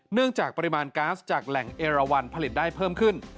จากปริมาณก๊าซจากแหล่งเอราวันผลิตได้เพิ่มขึ้น